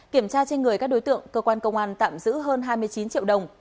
kiểm tra trên người các đối tượng cơ quan công an tạm giữ hơn hai mươi chín triệu đồng